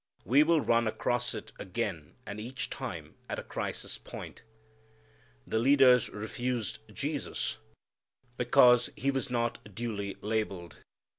We will run across it again and each time at a crisis point. The leaders refused Jesus because He was not duly labelled.